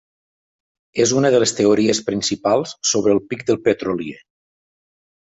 És una de les teories principals sobre el pic del petrolier.